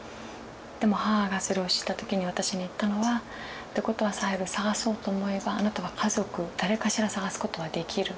でも母がそれを知った時に私に言ったのは「ってことはサヘル捜そうと思えばあなたは家族誰かしら捜すことはできる。